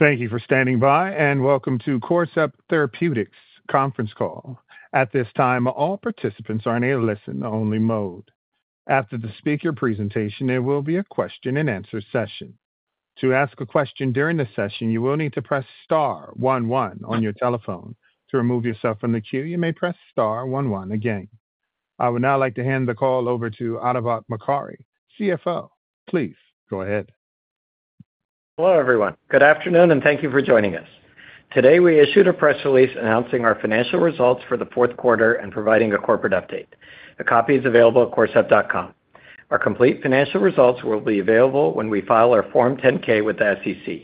Thank you for standing by, and welcome to Corcept Therapeutics' conference call. At this time, all participants are in a listen-only mode. After the speaker presentation, there will be a question-and-answer session. To ask a question during the session, you will need to press Star one one on your telephone. To remove yourself from the queue, you may press Star one one again. I would now like to hand the call over to Atabak Mokari, CFO. Please go ahead. Hello, everyone. Good afternoon, and thank you for joining us. Today, we issued a press release announcing our financial results for the fourth quarter and providing a corporate update. The copy is available at corcept.com. Our complete financial results will be available when we file our Form 10-K with the SEC.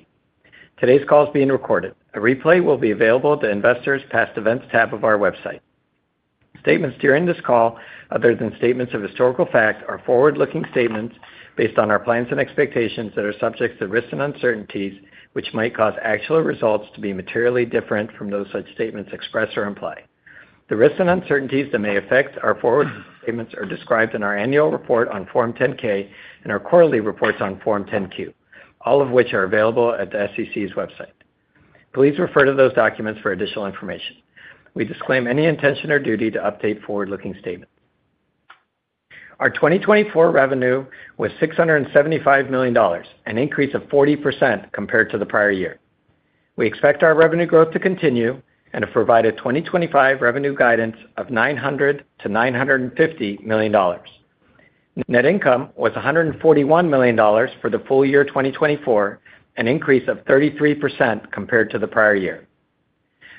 Today's call is being recorded. A replay will be available at the Investors' Past Events tab of our website. Statements during this call, other than statements of historical fact, are forward-looking statements based on our plans and expectations that are subject to risks and uncertainties, which might cause actual results to be materially different from those such statements express or imply. The risks and uncertainties that may affect our forward-looking statements are described in our annual report on Form 10-K and our quarterly reports on Form 10-Q, all of which are available at the SEC's website. Please refer to those documents for additional information. We disclaim any intention or duty to update forward-looking statements. Our 2024 revenue was $675 million, an increase of 40% compared to the prior year. We expect our revenue growth to continue and have provided 2025 revenue guidance of $900 million-$950 million. Net income was $141 million for the full year 2024, an increase of 33% compared to the prior year.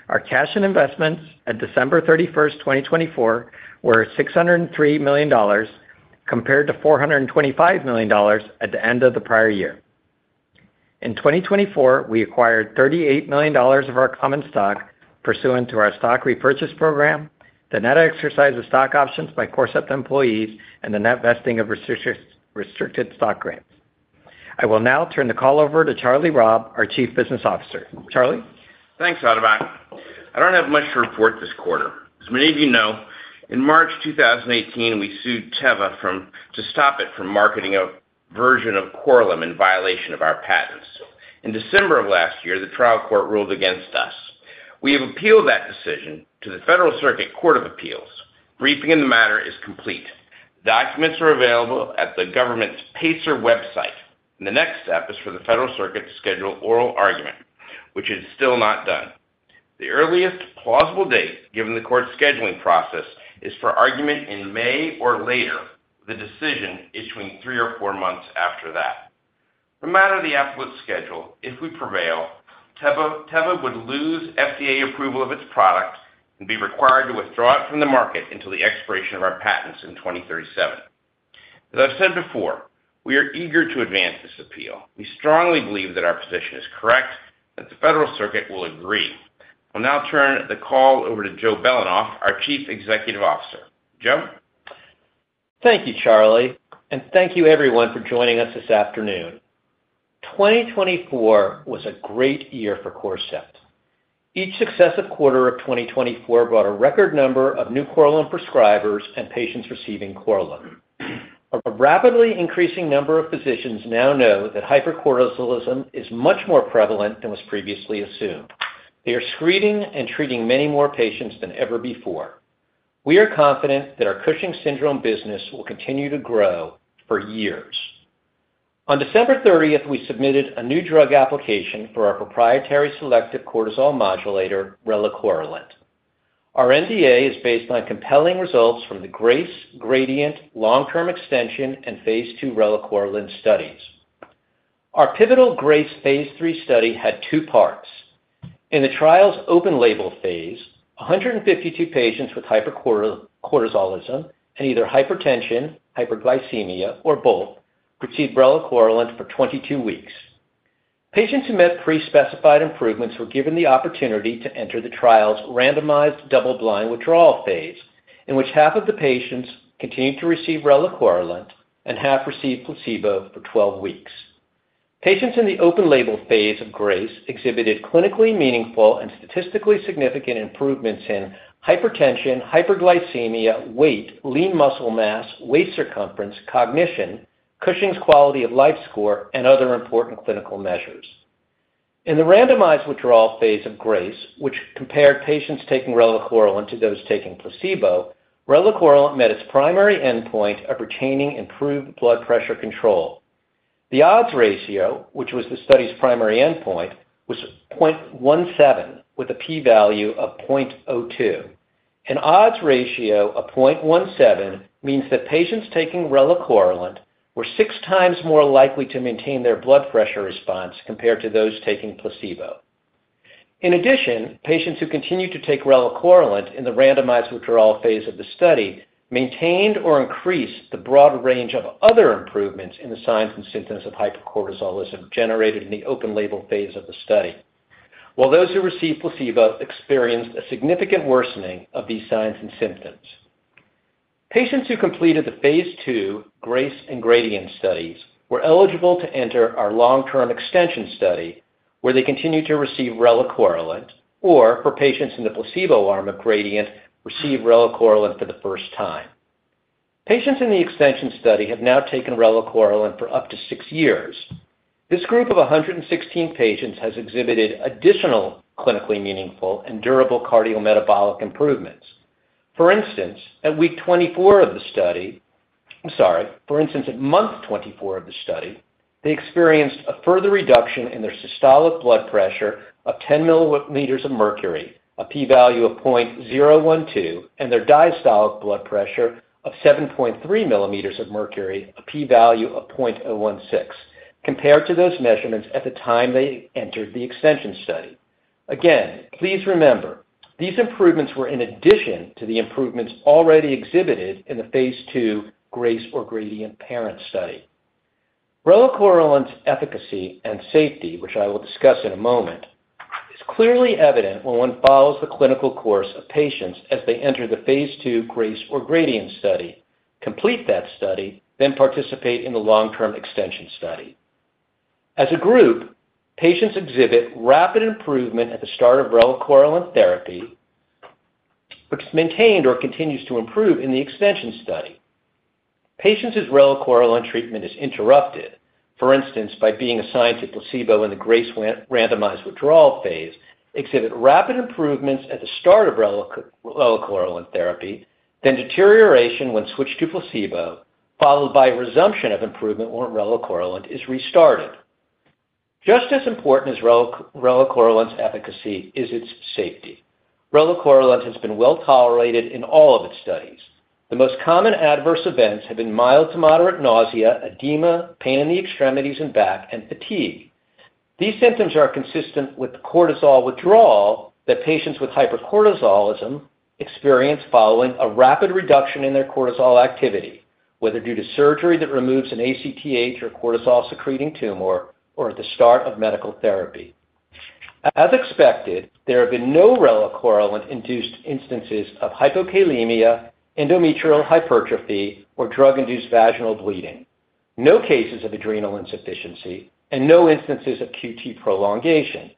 Our cash and investments at December 31st, 2024, were $603 million compared to $425 million at the end of the prior year. In 2024, we acquired $38 million of our common stock pursuant to our stock repurchase program, the net exercise of stock options by Corcept employees, and the net vesting of restricted stock grants. I will now turn the call over to Charlie Robb, our Chief Business Officer. Charlie? Thanks, Atabak. I don't have much to report this quarter. As many of you know, in March 2018, we sued Teva to stop it from marketing a version of Korlym in violation of our patents. In December of last year, the trial court ruled against us. We have appealed that decision to the Federal Circuit Court of Appeals. Briefing in the matter is complete. Documents are available at the government's PACER website. The next step is for the Federal Circuit to schedule oral argument, which is still not done. The earliest plausible date, given the court's scheduling process, is for argument in May or later, with a decision issuing three or four months after that. No matter the output schedule, if we prevail, Teva would lose FDA approval of its product and be required to withdraw it from the market until the expiration of our patents in 2037. As I've said before, we are eager to advance this appeal. We strongly believe that our position is correct, that the Federal Circuit will agree. I'll now turn the call over to Joe Belanoff, our Chief Executive Officer. Joe? Thank you, Charlie, and thank you, everyone, for joining us this afternoon. 2024 was a great year for Corcept. Each successive quarter of 2024 brought a record number of new Korlym prescribers and patients receiving Korlym. A rapidly increasing number of physicians now know that hypercortisolism is much more prevalent than was previously assumed. They are screening and treating many more patients than ever before. We are confident that our Cushing's syndrome business will continue to grow for years. On December 30th, we submitted a new drug application for our proprietary selective cortisol modulator, relacorilant. Our NDA is based on compelling results from the GRACE, GRADIENT long-term extension and phase II relacorilant studies. Our pivotal GRACE phase III study had two parts. In the trial's open-label phase, 152 patients with hypercortisolism and either hypertension, hyperglycemia, or both received relacorilant for 22 weeks. Patients who met pre-specified improvements were given the opportunity to enter the trial's randomized double-blind withdrawal phase, in which half of the patients continued to receive relacorilant and half received placebo for 12 weeks. Patients in the open-label phase of GRACE exhibited clinically meaningful and statistically significant improvements in hypertension, hyperglycemia, weight, lean muscle mass, waist circumference, cognition, Cushing's quality of life score, and other important clinical measures. In the randomized withdrawal phase of GRACE, which compared patients taking relacorilant to those taking placebo, relacorilant met its primary endpoint of retaining improved blood pressure control. The odds ratio, which was the study's primary endpoint, was 0.17, with a p-value of 0.02. An odds ratio of 0.17 means that patients taking relacorilant were six times more likely to maintain their blood pressure response compared to those taking placebo. In addition, patients who continued to take relacorilant in the randomized withdrawal phase of the study maintained or increased the broad range of other improvements in the signs and symptoms of hypercortisolism generated in the open-label phase of the study, while those who received placebo experienced a significant worsening of these signs and symptoms. Patients who completed the phase II GRACE and GRADIENT studies were eligible to enter our long-term extension study, where they continue to receive relacorilant, or for patients in the placebo arm of GRADIENT, receive relacorilant for the first time. Patients in the extension study have now taken relacorilant for up to six years. This group of 116 patients has exhibited additional clinically meaningful and durable cardiometabolic improvements. For instance, at week 24 of the study - I'm sorry. For instance, at month 24 of the study, they experienced a further reduction in their systolic blood pressure of 10 mmHg, a p-value of 0.012, and their diastolic blood pressure of 7.3 mmHg, a p-value of 0.016, compared to those measurements at the time they entered the extension study. Again, please remember, these improvements were in addition to the improvements already exhibited in the phase II GRACE or GRADIENT parent study. Relacorilant's efficacy and safety, which I will discuss in a moment, is clearly evident when one follows the clinical course of patients as they enter the phase II GRACE or GRADIENT study, complete that study, then participate in the long-term extension study. As a group, patients exhibit rapid improvement at the start of relacorilant therapy, which is maintained or continues to improve in the extension study. Patients whose relacorilant treatment is interrupted, for instance, by being assigned to placebo in the GRACE randomized withdrawal phase, exhibit rapid improvements at the start of relacorilant therapy, then deterioration when switched to placebo, followed by resumption of improvement when relacorilant is restarted. Just as important as relacorilant's efficacy is its safety. Relacorilant has been well tolerated in all of its studies. The most common adverse events have been mild to moderate nausea, edema, pain in the extremities and back, and fatigue. These symptoms are consistent with the cortisol withdrawal that patients with hypercortisolism experience following a rapid reduction in their cortisol activity, whether due to surgery that removes an ACTH or cortisol-secreting tumor or at the start of medical therapy. As expected, there have been no relacorilant-induced instances of hypokalemia, endometrial hypertrophy, or drug-induced vaginal bleeding. No cases of adrenal insufficiency and no instances of QT prolongation.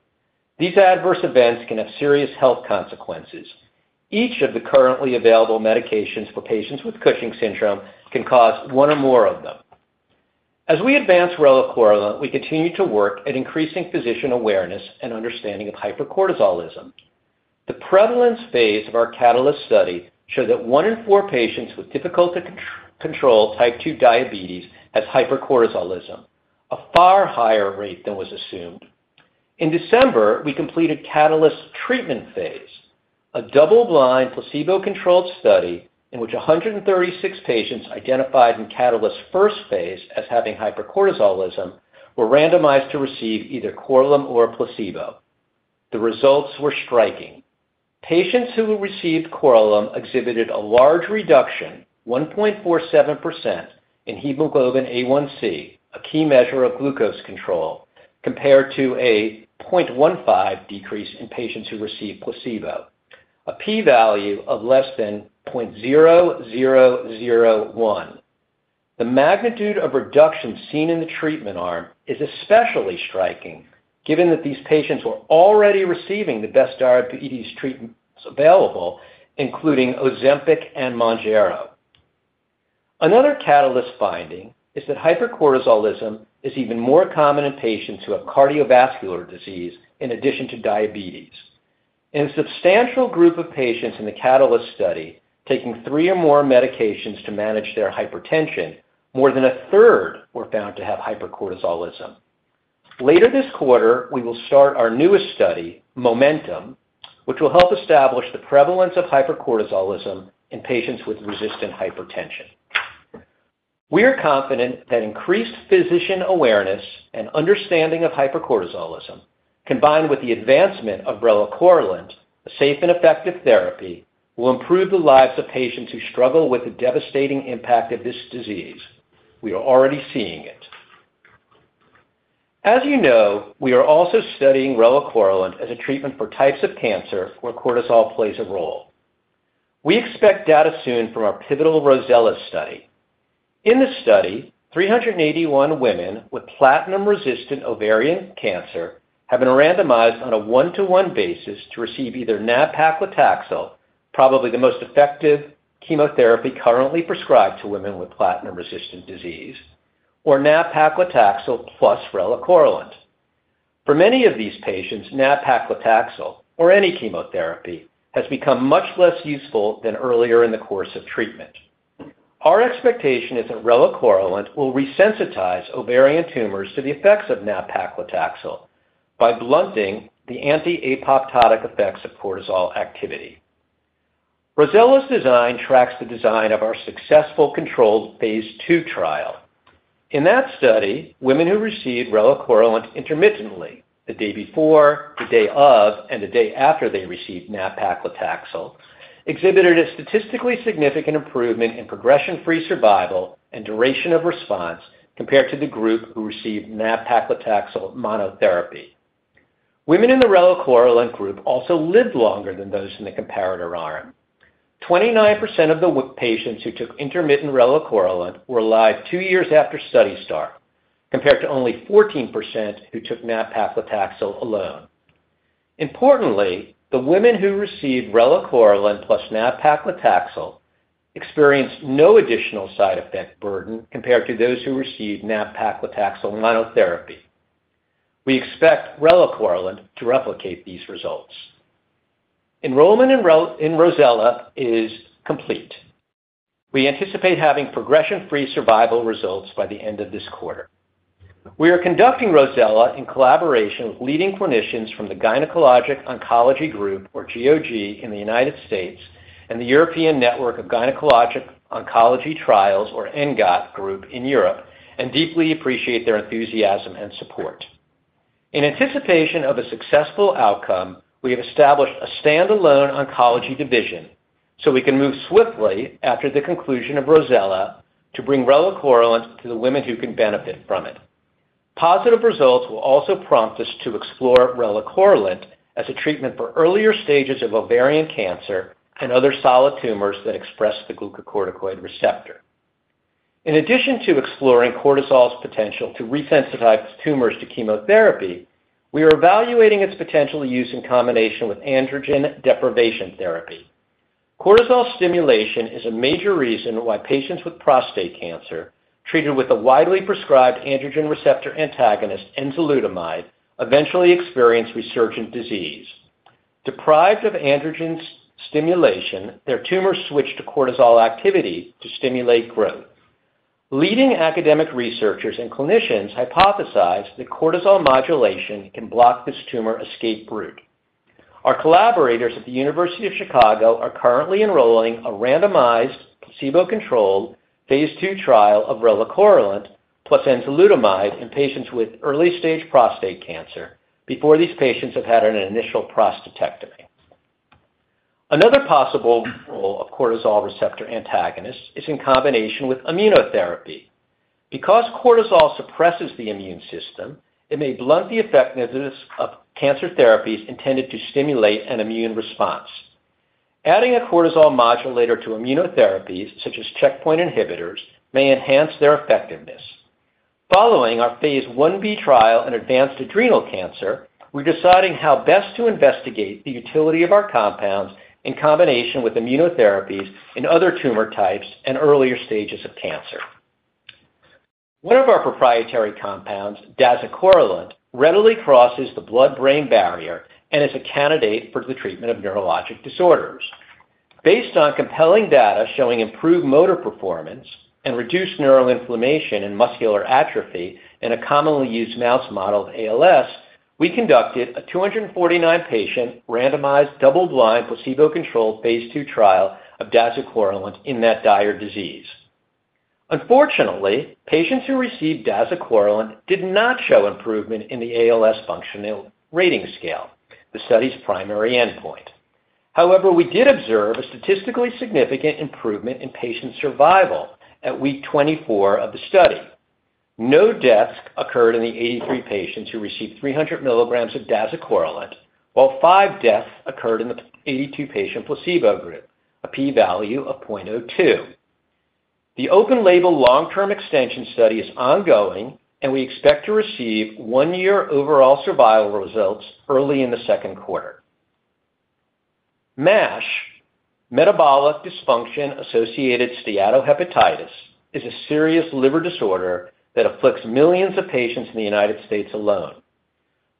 These adverse events can have serious health consequences. Each of the currently available medications for patients with Cushing's syndrome can cause one or more of them. As we advance relacorilant, we continue to work at increasing physician awareness and understanding of hypercortisolism. The prevalence phase of our CATALYST study showed that one in four patients with difficult-to-control type 2 diabetes has hypercortisolism, a far higher rate than was assumed. In December, we completed CATALYST treatment phase, a double-blind placebo-controlled study in which 136 patients identified in CATALYST first phase as having hypercortisolism were randomized to receive either Korlym or placebo. The results were striking. Patients who received Korlym exhibited a large reduction, 1.47%, in hemoglobin A1c, a key measure of glucose control, compared to a 0.15% decrease in patients who received placebo, a p-value of less than 0.0001. The magnitude of reduction seen in the treatment arm is especially striking, given that these patients were already receiving the best diabetes treatments available, including Ozempic and Mounjaro. Another CATALYST finding is that hypercortisolism is even more common in patients who have cardiovascular disease in addition to diabetes. In a substantial group of patients in the CATALYST study taking three or more medications to manage their hypertension, more than a third were found to have hypercortisolism. Later this quarter, we will start our newest study, MOMENTUM, which will help establish the prevalence of hypercortisolism in patients with resistant hypertension. We are confident that increased physician awareness and understanding of hypercortisolism, combined with the advancement of relacorilant, a safe and effective therapy, will improve the lives of patients who struggle with the devastating impact of this disease. We are already seeing it. As you know, we are also studying relacorilant as a treatment for types of cancer where cortisol plays a role. We expect data soon from our pivotal ROSELLA study. In the study, 381 women with platinum-resistant ovarian cancer have been randomized on a one-to-one basis to receive either nab-paclitaxel, probably the most effective chemotherapy currently prescribed to women with platinum-resistant disease, or nab-paclitaxel plus relacorilant. For many of these patients, nab-paclitaxel or any chemotherapy has become much less useful than earlier in the course of treatment. Our expectation is that relacorilant will resensitize ovarian tumors to the effects of nab-paclitaxel by blunting the anti-apoptotic effects of cortisol activity. ROSELLA's design tracks the design of our successful controlled phase II trial. In that study, women who received relacorilant intermittently, the day before, the day of, and the day after they received nab-paclitaxel, exhibited a statistically significant improvement in progression-free survival and duration of response compared to the group who received nab-paclitaxel monotherapy. Women in the relacorilant group also lived longer than those in the comparator arm. 29% of the patients who took intermittent relacorilant were alive two years after study start, compared to only 14% who took nab-paclitaxel alone. Importantly, the women who received relacorilant plus nab-paclitaxel experienced no additional side effect burden compared to those who received nab-paclitaxel monotherapy. We expect relacorilant to replicate these results. Enrollment in ROSELLA is complete. We anticipate having progression-free survival results by the end of this quarter. We are conducting ROSELLA in collaboration with leading clinicians from the Gynecologic Oncology Group, or GOG, in the United States, and the European Network of Gynecologic Oncology Trials, or ENGOT, group in Europe, and deeply appreciate their enthusiasm and support. In anticipation of a successful outcome, we have established a standalone oncology division so we can move swiftly after the conclusion of ROSELLA to bring relacorilant to the women who can benefit from it. Positive results will also prompt us to explore relacorilant as a treatment for earlier stages of ovarian cancer and other solid tumors that express the glucocorticoid receptor. In addition to exploring cortisol's potential to resensitize tumors to chemotherapy, we are evaluating its potential use in combination with androgen deprivation therapy. Cortisol stimulation is a major reason why patients with prostate cancer treated with a widely prescribed androgen receptor antagonist, enzalutamide, eventually experience resurgent disease. Deprived of androgen stimulation, their tumors switch to cortisol activity to stimulate growth. Leading academic researchers and clinicians hypothesize that cortisol modulation can block this tumor escape route. Our collaborators at the University of Chicago are currently enrolling a randomized placebo-controlled phase II trial of relacorilant plus enzalutamide in patients with early-stage prostate cancer before these patients have had an initial prostatectomy. Another possible role of cortisol receptor antagonists is in combination with immunotherapy. Because cortisol suppresses the immune system, it may blunt the effectiveness of cancer therapies intended to stimulate an immune response. Adding a cortisol modulator to immunotherapies, such as checkpoint inhibitors, may enhance their effectiveness. Following our phase I-B trial in advanced adrenal cancer, we're deciding how best to investigate the utility of our compounds in combination with immunotherapies in other tumor types and earlier stages of cancer. One of our proprietary compounds, dazucorilant, readily crosses the blood-brain barrier and is a candidate for the treatment of neurologic disorders. Based on compelling data showing improved motor performance and reduced neural inflammation and muscular atrophy in a commonly used mouse model of ALS, we conducted a 249-patient randomized double-blind placebo-controlled phase II trial of dazucorilant in that dire disease. Unfortunately, patients who received dazucorilant did not show improvement in the ALS Functional Rating Scale, the study's primary endpoint. However, we did observe a statistically significant improvement in patient survival at week 24 of the study. No deaths occurred in the 83 patients who received 300 mg of dazucorilant, while five deaths occurred in the 82-patient placebo group, a p-value of 0.02. The open-label long-term extension study is ongoing, and we expect to receive one-year overall survival results early in the second quarter. MASH, metabolic dysfunction-associated steatohepatitis, is a serious liver disorder that afflicts millions of patients in the United States alone.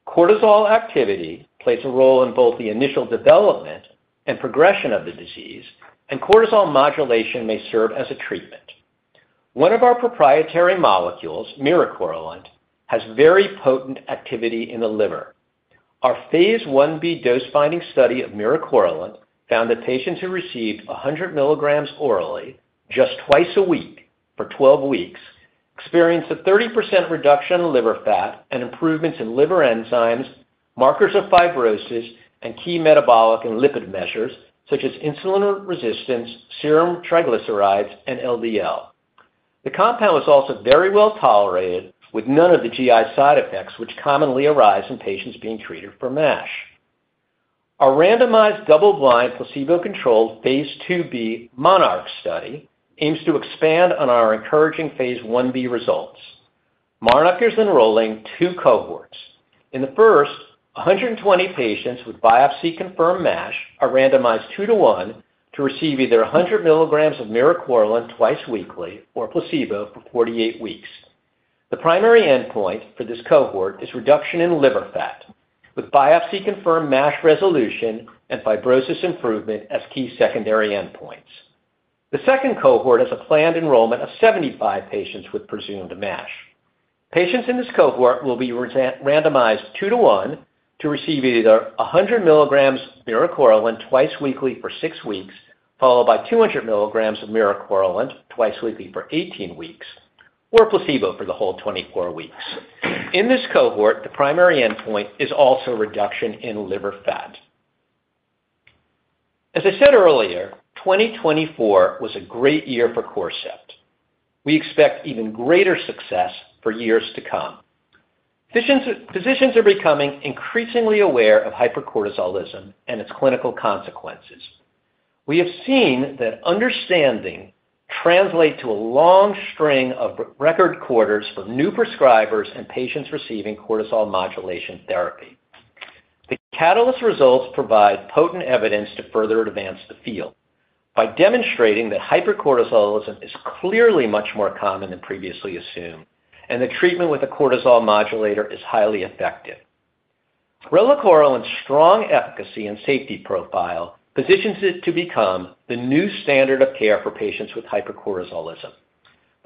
Cortisol activity plays a role in both the initial development and progression of the disease, and cortisol modulation may serve as a treatment. One of our proprietary molecules, miricorilant, has very potent activity in the liver. Our phase I-B dose-finding study of miricorilant found that patients who received 100 mg orally just twice a week for 12 weeks experienced a 30% reduction in liver fat and improvements in liver enzymes, markers of fibrosis, and key metabolic and lipid measures such as insulin resistance, serum triglycerides, and LDL. The compound is also very well tolerated, with none of the GI side effects which commonly arise in patients being treated for MASH. Our randomized double-blind placebo-controlled phase II-B MONARCH study aims to expand on our encouraging phase I-B results. MONARCH is enrolling two cohorts. In the first, 120 patients with biopsy-confirmed MASH are randomized two to one to receive either 100 mg of miricorilant twice weekly or placebo for 48 weeks. The primary endpoint for this cohort is reduction in liver fat, with biopsy-confirmed MASH resolution and fibrosis improvement as key secondary endpoints. The second cohort has a planned enrollment of 75 patients with presumed MASH. Patients in this cohort will be randomized two to one to receive either 100 mg of miricorilant twice weekly for six weeks, followed by 200 mg of miricorilant twice weekly for 18 weeks, or placebo for the whole 24 weeks. In this cohort, the primary endpoint is also reduction in liver fat. As I said earlier, 2024 was a great year for Corcept. We expect even greater success for years to come. Physicians are becoming increasingly aware of hypercortisolism and its clinical consequences. We have seen that understanding translates to a long string of record quarters for new prescribers and patients receiving cortisol modulation therapy. The CATALYST results provide potent evidence to further advance the field by demonstrating that hypercortisolism is clearly much more common than previously assumed and that treatment with a cortisol modulator is highly effective. Relacorilant's strong efficacy and safety profile positions it to become the new standard of care for patients with hypercortisolism.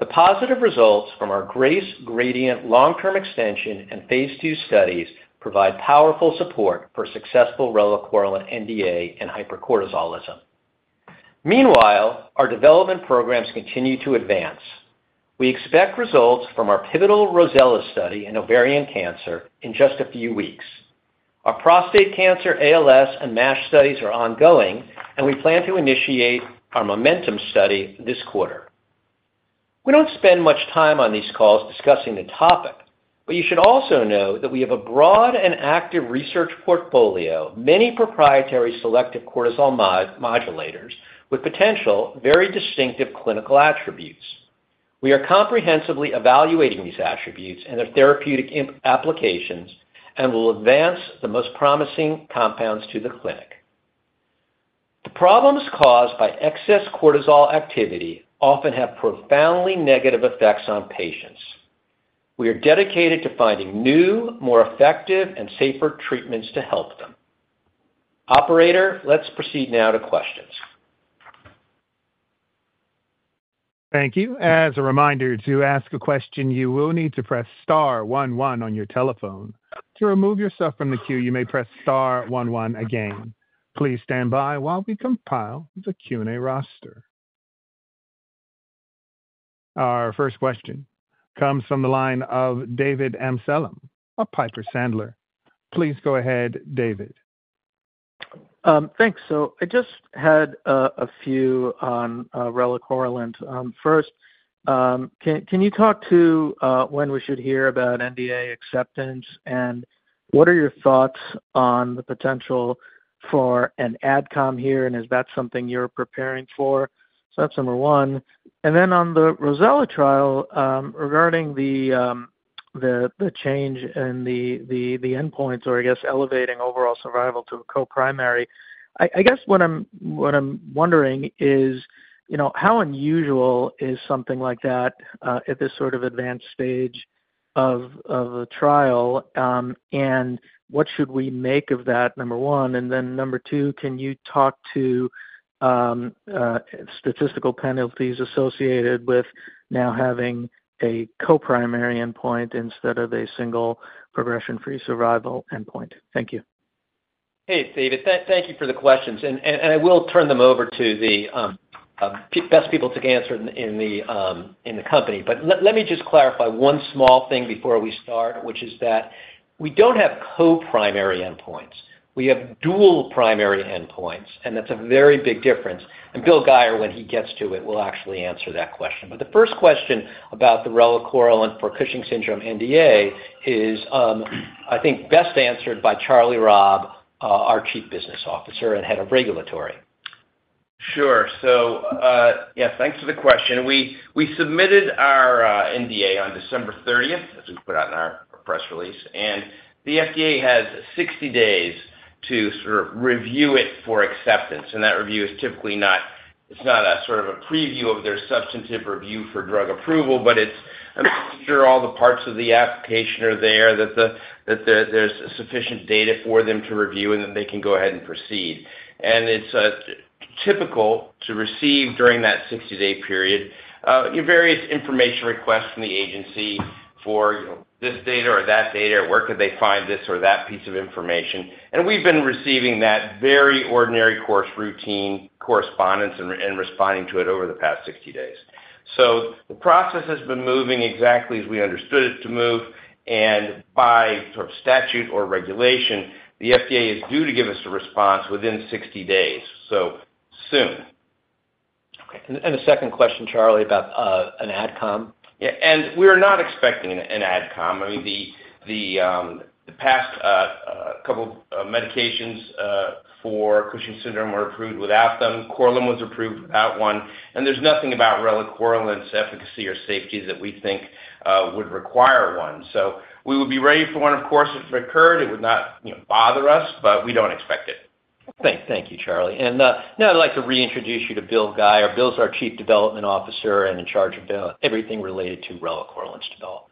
The positive results from our GRACE, GRADIENT long-term extension and phase II studies provide powerful support for successful relacorilant NDA and hypercortisolism. Meanwhile, our development programs continue to advance. We expect results from our pivotal ROSELLA study in ovarian cancer in just a few weeks. Our prostate cancer, ALS, and MASH studies are ongoing, and we plan to initiate our MOMENTUM study this quarter. We don't spend much time on these calls discussing the topic, but you should also know that we have a broad and active research portfolio, many proprietary selective cortisol modulators with potential very distinctive clinical attributes. We are comprehensively evaluating these attributes and their therapeutic applications and will advance the most promising compounds to the clinic. The problems caused by excess cortisol activity often have profoundly negative effects on patients. We are dedicated to finding new, more effective, and safer treatments to help them. Operator, let's proceed now to questions. Thank you. As a reminder, to ask a question, you will need to press star one one on your telephone. To remove yourself from the queue, you may press star one one again. Please stand by while we compile the Q&A roster. Our first question comes from the line of David Amsellem with Piper Sandler. Please go ahead, David. Thanks. So I just had a few on relacorilant. First, can you talk to when we should hear about NDA acceptance, and what are your thoughts on the potential for an AdCom here, and is that something you're preparing for? So that's number one. And then on the ROSELLA trial, regarding the change in the endpoints, or I guess elevating overall survival to a co-primary, I guess what I'm wondering is how unusual is something like that at this sort of advanced stage of the trial, and what should we make of that, number one? And then number two, can you talk to statistical penalties associated with now having a co-primary endpoint instead of a single progression-free survival endpoint? Thank you. Hey, David, thank you for the questions. And I will turn them over to the best people to answer in the company. But let me just clarify one small thing before we start, which is that we don't have co-primary endpoints. We have dual primary endpoints, and that's a very big difference. And Bill Guyer, when he gets to it, will actually answer that question. But the first question about the relacorilant for Cushing's syndrome NDA is, I think, best answered by Charlie Robb, our Chief Business Officer and head of regulatory. Sure. So yes, thanks for the question. We submitted our NDA on December 30th, as we put out in our press release, and the FDA has 60 days to sort of review it for acceptance. That review is typically not, it's not a sort of a preview of their substantive review for drug approval, but it's making sure all the parts of the application are there, that there's sufficient data for them to review, and then they can go ahead and proceed. It's typical to receive during that 60-day period various information requests from the agency for this data or that data, or where could they find this or that piece of information. We've been receiving that very ordinary course routine correspondence and responding to it over the past 60 days. The process has been moving exactly as we understood it to move. By sort of statute or regulation, the FDA is due to give us a response within 60 days, so soon. Okay. The second question, Charlie, about an adcom. Yeah. We are not expecting an adcom. I mean, the past couple of medications for Cushing's syndrome were approved without them. Korlym was approved without one. And there's nothing about relacorilant's efficacy or safety that we think would require one. So we would be ready for one. Of course, if it occurred, it would not bother us, but we don't expect it. Thank you, Charlie. And now I'd like to reintroduce you to Bill Guyer. Bill's our Chief Development Officer and in charge of everything related to relacorilant's development.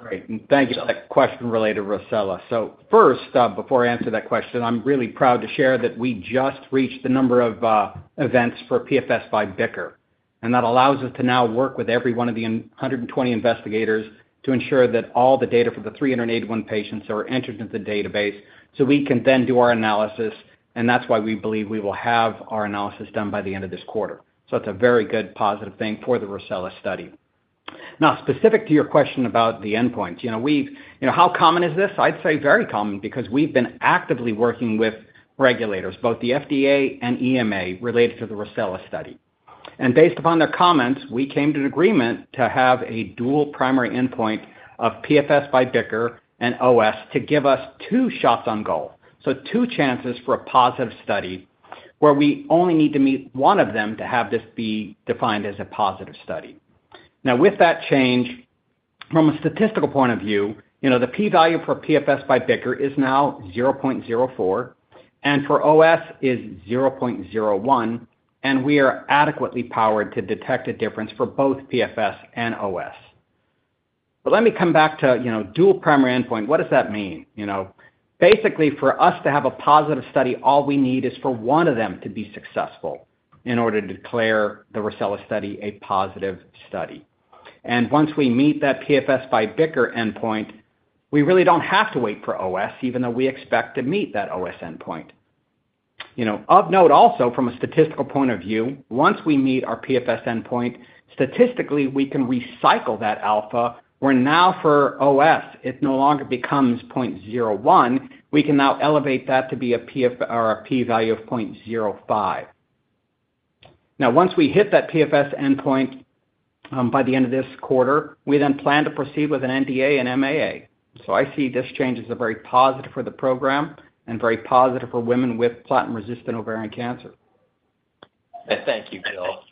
Great. And thank you. That question related to ROSELLA. So first, before I answer that question, I'm really proud to share that we just reached the number of events for PFS by BICR. And that allows us to now work with every one of the 120 investigators to ensure that all the data for the 381 patients are entered into the database so we can then do our analysis. And that's why we believe we will have our analysis done by the end of this quarter. So it's a very good positive thing for the ROSELLA study. Now, specific to your question about the endpoints, how common is this? I'd say very common because we've been actively working with regulators, both the FDA and EMA, related to the ROSELLA study. And based upon their comments, we came to an agreement to have a dual primary endpoint of PFS by BICR and OS to give us two shots on goal. Two chances for a positive study where we only need to meet one of them to have this be defined as a positive study. Now, with that change, from a statistical point of view, the p-value for PFS by BICR is now 0.04, and for OS is 0.01, and we are adequately powered to detect a difference for both PFS and OS. But let me come back to dual primary endpoint. What does that mean? Basically, for us to have a positive study, all we need is for one of them to be successful in order to declare the ROSELLA study a positive study. And once we meet that PFS by BICR endpoint, we really don't have to wait for OS, even though we expect to meet that OS endpoint. Of note also, from a statistical point of view, once we meet our PFS endpoint, statistically, we can recycle that alpha. Where now for OS, it no longer becomes 0.01, we can now elevate that to be a p-value of 0.05. Now, once we hit that PFS endpoint by the end of this quarter, we then plan to proceed with an NDA and MAA. So I see this change as very positive for the program and very positive for women with platinum-resistant ovarian cancer. Thank you, Bill.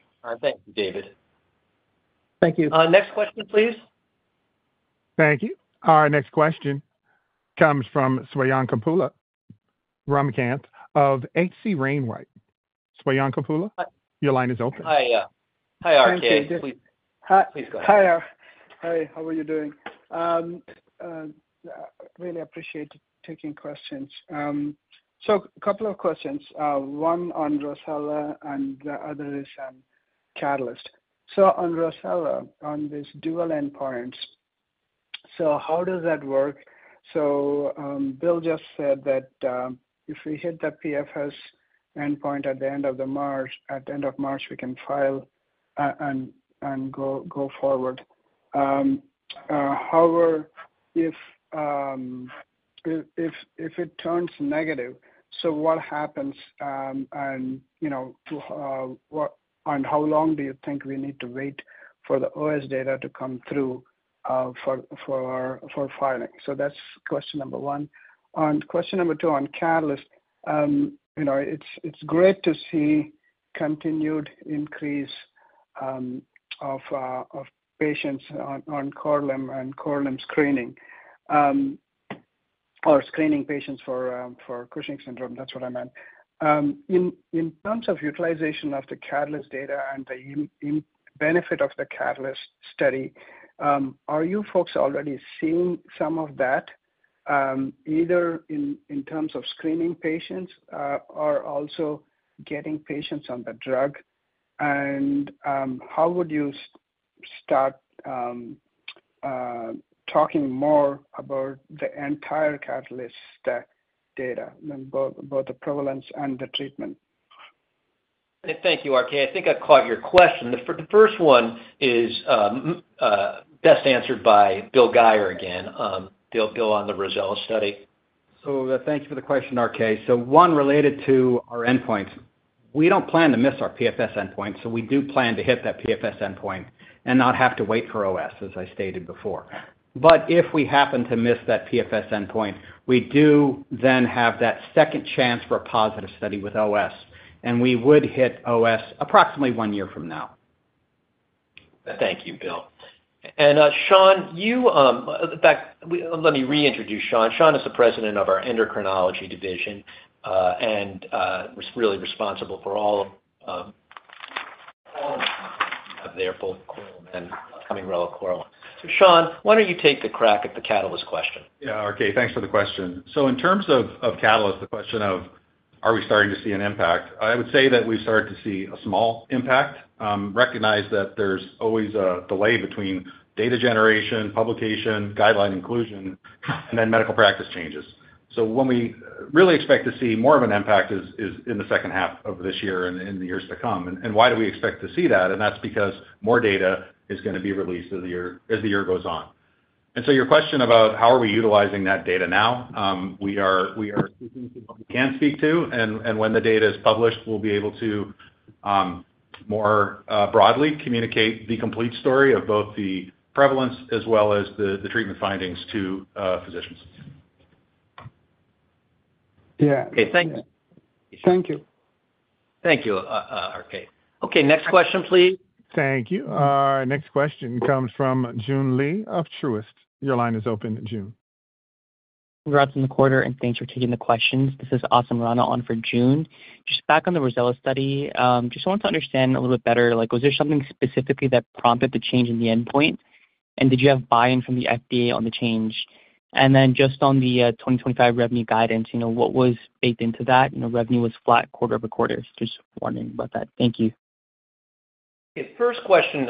Thank you, David. Thank you. Next question, please. Thank you. Our next question comes from Swayampakula Ramakanth of H.C. Wainwright. Swayampakula Ramakanth, your line is open. Hi. Please go ahead. Hi. Hi. How are you doing? Really appreciate taking questions. So a couple of questions. One on ROSELLA and the other is on CATALYST. So on ROSELLA, on these dual endpoints, so how does that work? So Bill just said that if we hit the PFS endpoint at the end of March, at the end of March, we can file and go forward. However, if it turns negative, so what happens? And how long do you think we need to wait for the OS data to come through for filing? So that's question number one. On question number two, on CATALYST, it's great to see continued increase of patients on Korlym and Korlym screening or screening patients for Cushing's syndrome. That's what I meant. In terms of utilization of the CATALYST data and the benefit of the CATALYST study, are you folks already seeing some of that, either in terms of screening patients or also getting patients on the drug? And how would you start talking more about the entire CATALYST data, both the prevalence and the treatment? Thank you, RK. I think I caught your question. The first one is best answered by Bill Guyer again, Bill on the ROSELLA study. So thank you for the question, RK. So one related to our endpoint. We don't plan to miss our PFS endpoint, so we do plan to hit that PFS endpoint and not have to wait for OS, as I stated before. But if we happen to miss that PFS endpoint, we do then have that second chance for a positive study with OS, and we would hit OS approximately one year from now. Thank you, Bill. And Sean, let me reintroduce Sean. Sean is the President of our Endocrinology Division and really responsible for all of their both Korlym and upcoming relacorilant. So Sean, why don't you take a crack at the catalyst question? Yeah, RK. Thanks for the question. So in terms of catalyst, the question of are we starting to see an impact? I would say that we've started to see a small impact. Recognize that there's always a delay between data generation, publication, guideline inclusion, and then medical practice changes. So when we really expect to see more of an impact is in the second half of this year and in the years to come. And why do we expect to see that? And that's because more data is going to be released as the year goes on. And so your question about how are we utilizing that data now? We are speaking to what we can speak to, and when the data is published, we'll be able to more broadly communicate the complete story of both the prevalence as well as the treatment findings to physicians. Yeah. Okay. Thank you. Thank you. Thank you, RK. Okay. Next question, please. Thank you. Our next question comes from Joon Lee of Truist. Your line is open, Joon. Congrats on the quarter, and thanks for taking the questions. This is Asim Rana on for Joon. Just back on the ROSELLA study, just want to understand a little bit better. Was there something specifically that prompted the change in the endpoint? And did you have buy-in from the FDA on the change? And then just on the 2025 revenue guidance, what was baked into that? Revenue was flat quarter over quarter. Just wondering about that. Thank you. First question,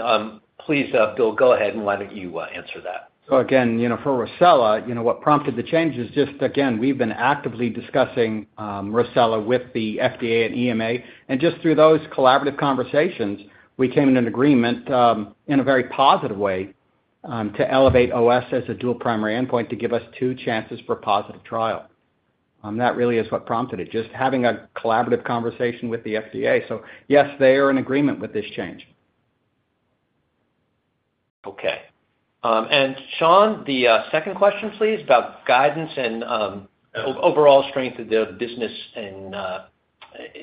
please, Bill. Go ahead and why don't you answer that. So again, for ROSELLA, what prompted the change is just, again, we've been actively discussing ROSELLA with the FDA and EMA. And just through those collaborative conversations, we came to an agreement in a very positive way to elevate OS as a dual primary endpoint to give us two chances for a positive trial. That really is what prompted it, just having a collaborative conversation with the FDA. So yes, they are in agreement with this change. Okay. And Sean, the second question, please, about guidance and overall strength of the business in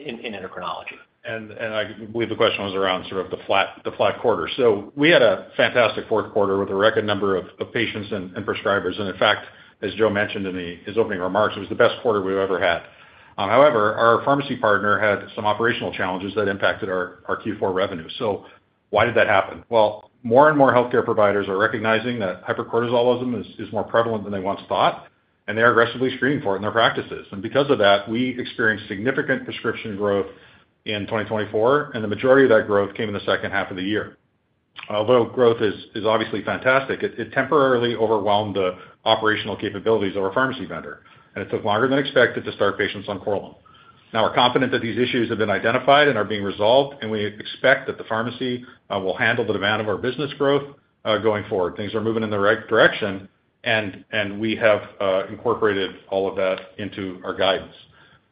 endocrinology. And I believe the question was around sort of the flat quarter. So we had a fantastic fourth quarter with a record number of patients and prescribers. In fact, as Joe mentioned in his opening remarks, it was the best quarter we've ever had. However, our pharmacy partner had some operational challenges that impacted our Q4 revenue. Why did that happen? More and more healthcare providers are recognizing that hypercortisolism is more prevalent than they once thought, and they are aggressively screening for it in their practices. Because of that, we experienced significant prescription growth in 2024, and the majority of that growth came in the second half of the year. Although growth is obviously fantastic, it temporarily overwhelmed the operational capabilities of our pharmacy vendor, and it took longer than expected to start patients on Korlym. Now we're confident that these issues have been identified and are being resolved, and we expect that the pharmacy will handle the demand of our business growth going forward. Things are moving in the right direction, and we have incorporated all of that into our guidance.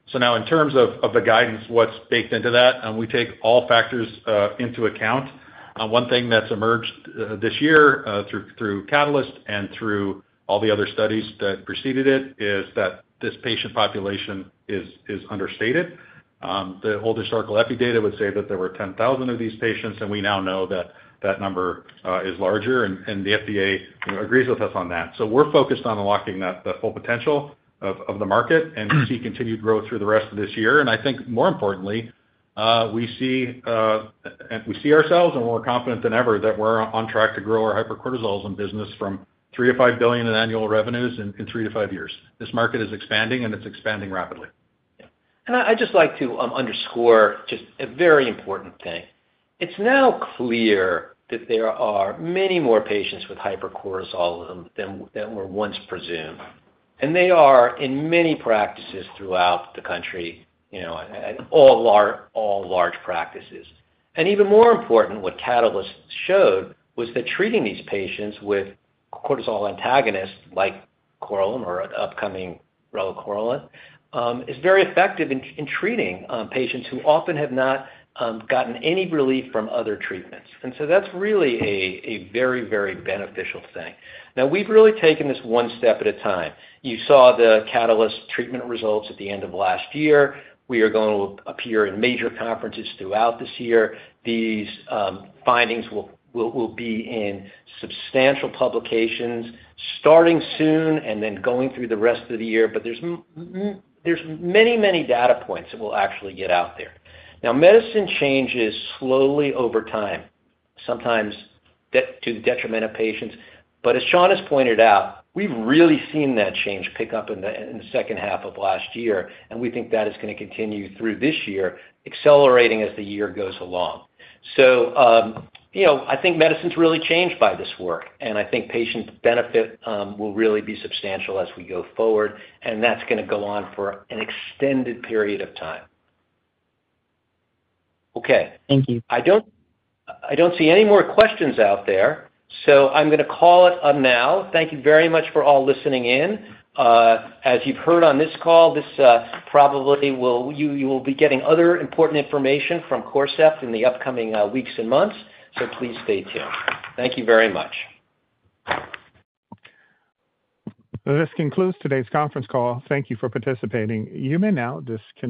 So now, in terms of the guidance, what's baked into that? We take all factors into account. One thing that's emerged this year through CATALYST and through all the other studies that preceded it is that this patient population is understated. The old historical Epi data would say that there were 10,000 of these patients, and we now know that that number is larger, and the FDA agrees with us on that. So we're focused on unlocking the full potential of the market and see continued growth through the rest of this year. And I think, more importantly, we see ourselves and we're more confident than ever that we're on track to grow our hypercortisolism business from $3 billion-$5 billion in annual revenues in three to five years. This market is expanding, and it's expanding rapidly. And I'd just like to underscore just a very important thing. It's now clear that there are many more patients with hypercortisolism than were once presumed, and they are in many practices throughout the country, all large practices, and even more important, what CATALYST showed was that treating these patients with cortisol antagonists like Korlym or upcoming relacorilant is very effective in treating patients who often have not gotten any relief from other treatments, and so that's really a very, very beneficial thing. Now, we've really taken this one step at a time. You saw the CATALYST treatment results at the end of last year. We are going to appear in major conferences throughout this year. These findings will be in substantial publications starting soon and then going through the rest of the year. But there's many, many data points that will actually get out there. Now, medicine changes slowly over time, sometimes to the detriment of patients. But as Sean has pointed out, we've really seen that change pick up in the second half of last year, and we think that is going to continue through this year, accelerating as the year goes along. So I think medicine's really changed by this work, and I think patient benefit will really be substantial as we go forward, and that's going to go on for an extended period of time. Okay. Thank you. I don't see any more questions out there, so I'm going to call it a day now. Thank you very much for all listening in. As you've heard on this call, you will be getting other important information from Corcept in the upcoming weeks and months, so please stay tuned. Thank you very much. This concludes today's conference call. Thank you for participating. You may now disconnect.